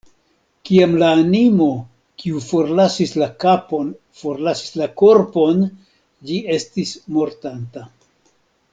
Kiam la animo, kiu forlasis la kapon, forlasis la korpon, ĝi estis mortanta.